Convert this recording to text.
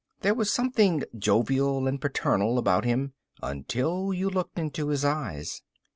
There was something jovial and paternal about him until you looked into his eyes.